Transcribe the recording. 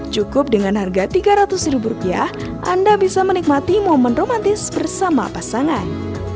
cukup dengan harga tiga ratus rupiah anda bisa menikmati momen romantis bersama pasangan